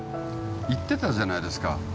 言ってたじゃないですか